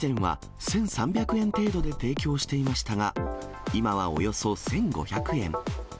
以前は１３００円程度で提供していましたが、今はおよそ１５００円。